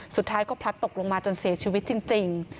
สุดท้ายก็พลัดตกลงมาจนเสียชีวิตจริง